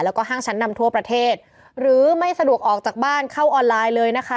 แล้วก็ห้างชั้นนำทั่วประเทศหรือไม่สะดวกออกจากบ้านเข้าออนไลน์เลยนะคะ